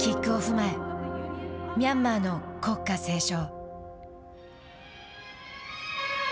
前ミャンマーの国歌斉唱。